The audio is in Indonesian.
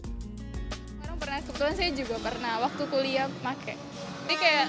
sekarang pernah kebetulan saya juga pernah waktu kuliah pakai